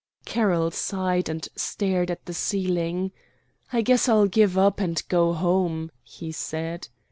Carroll sighed and stared at the ceiling. "I guess I'll give up and go home," he said.